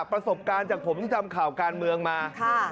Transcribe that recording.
ประสบการณ์จากผมที่ทำข่าวการเมืองมา